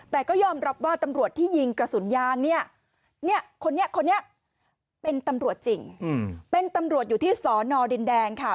แต่ก็ยอมรับว่าตำรวจที่ยิงกระสุนยางเนี่ยคนนี้คนนี้เป็นตำรวจจริงเป็นตำรวจอยู่ที่สอนอดินแดงค่ะ